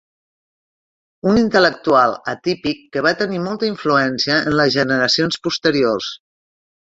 Un intel·lectual atípic que va tenir molta influència en les generacions posteriors.